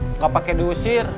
nggak pakai diusir